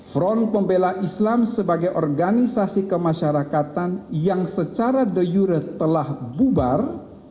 front pembela islam sebagai organisasi kemasyarakatan yang secara de jure telah bubar